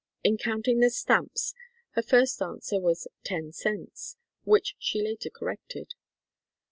In counting the stamps, her first answer was "ten cents, " which she later corrected.